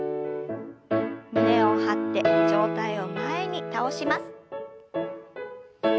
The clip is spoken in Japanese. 胸を張って上体を前に倒します。